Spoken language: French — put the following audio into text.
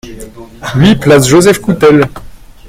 huit place Joseph Coutel